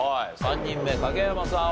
３人目影山さん